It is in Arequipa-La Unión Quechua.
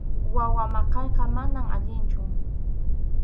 Wawa maqayqa manam allinchu.